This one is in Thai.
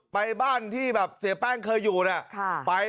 ไปบ้านที่แบบเสียแป้งเคยอยู่นะ